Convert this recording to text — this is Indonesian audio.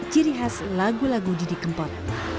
ciri khas lagu lagu didi kempot